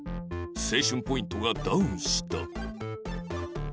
青春ポイントがダウンした